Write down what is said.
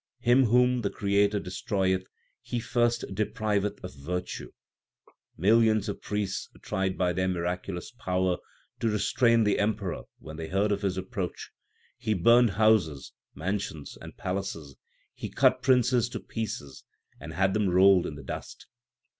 Him whom the Creator destroyeth He first depriveth of virtue. Millions of priests tried by their miraculous power to restrain the emperor when they heard of his approach. He burned houses, mansions, and palaces ; he cut princes to pieces, and had them rolled in the dust.